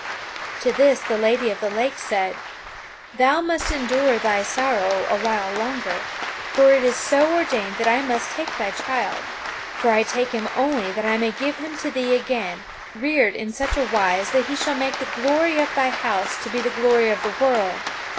To this the Lady of the Lake said: "Thou must endure thy sorrow a while longer; for it is so ordained that I must take thy child; for I take him only that I may give him to thee again, reared in such a wise that he shall make the glory of thy house to be the glory of the world.